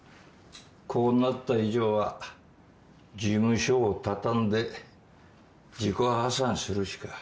こうなった以上は事務所を畳んで自己破産するしか。